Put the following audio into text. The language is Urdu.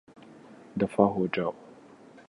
دفعہ ہو جائو